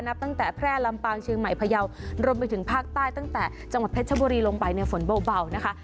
ตั้งแต่แพร่ลำปางเชียงใหม่พยาวรวมไปถึงภาคใต้ตั้งแต่จังหวัดเพชรชบุรีลงไปเนี่ยฝนเบานะคะ